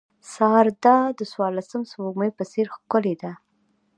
سارده د څوارلسم سپوږمۍ په څېر ښکلې ده.